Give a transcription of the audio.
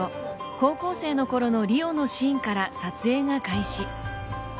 高校生の頃の梨央のシーンから撮影が開始